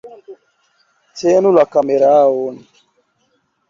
Tenu la kameraon